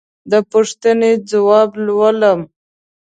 د پوښتنو ځواب لولم.